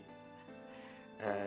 dan kerjaan saya lagi sedikit